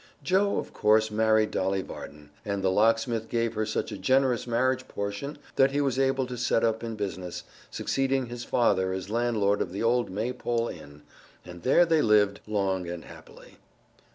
Joe, of course, married Dolly Varden, and the locksmith gave her such a generous marriage portion that he was able to set up in business, succeeding his father as landlord of the old Maypole Inn, and there they lived long and happily.